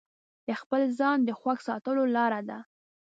د خپل ځان د خوښ ساتلو لاره داده.